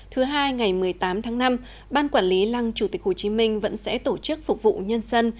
thứ hai ngày một mươi tám tháng năm ban quản lý lăng chủ tịch hồ chí minh vẫn sẽ tổ chức phục vụ nhân dân